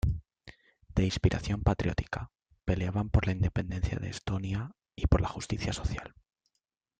De inspiración patriótica, peleaban por la independencia de Estonia y por la justicia social.